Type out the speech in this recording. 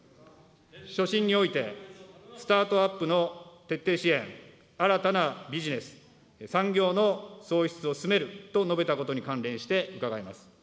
所信においてスタートアップの徹底支援、新たなビジネス、産業の創出を進めると述べたことについて伺います。